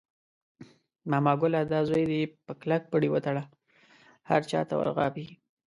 ماما ګله دا زوی دې په کلک پړي وتړله، هر چاته ور غاپي.